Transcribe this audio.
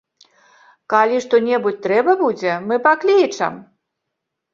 Калі што-небудзь трэба будзе, мы паклічам!